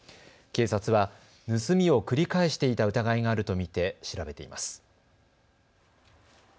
警察は盗みを繰り返していた疑いがあると見て調べています。